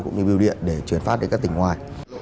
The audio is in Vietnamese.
cũng như biêu điện để chuyển phát đến các tỉnh ngoài